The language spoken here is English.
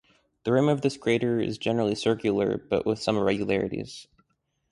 The rim of this crater is generally circular, but with some irregularities.